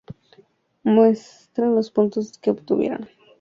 Muestra los puntos que obtuvieron los equipos a lo largo de toda la temporada.